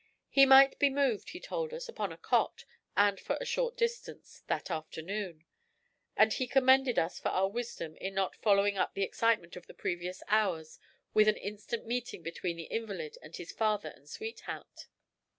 He might be moved, he told us, upon a cot, and for a short distance, that afternoon; and he commended us for our wisdom in not following up the excitement of the previous hours with an instant meeting between the invalid and his father and sweetheart.